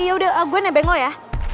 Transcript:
ya udah gue nebengok ya